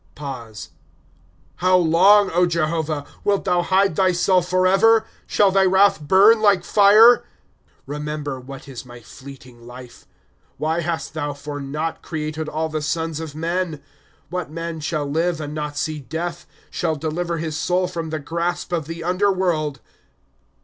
How long, Jehovah! Wilt thou hide thyself forever? Shall thy wrath burn like fire ?" Remember what is my fleeting life ; Why hast thou for naught created all the sons of men? *^ What man shall live, and not see death, Shall deliver his soul from the grasp of the under world?